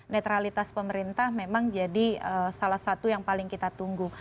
netralitas pemerintah memang jadi salah satu yang paling kita tunggu